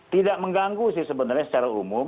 tidak mengganggu sih sebenarnya secara umum